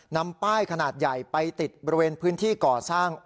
นำป้ายขนาดใหญ่ไปติดบริเวณพื้นที่ก่อสร้าง